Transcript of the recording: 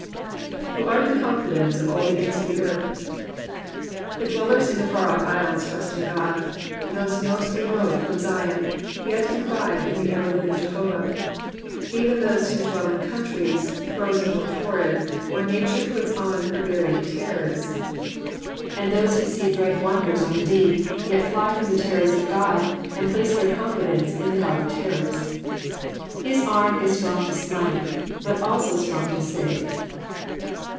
Wh4> art ths €or\fi denee of aU the ends of the earth,''^ The dwellers in the far off isles trust in God ; those most remote from Zion yet confide in the ever living Jehovah. Even those who dwell in countries, frozen or torrid, where nature puts on her varied terrors, and those who see dread wonders on the deep, yet fiy from the terrors of God and place their confidence in the God of terrors. His arm is strong to smite, but also strong to save.